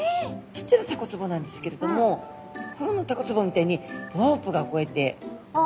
ちっちゃなタコつぼなんですけれども本物のタコつぼみたいにロープがこうやって巻いてあったんですね。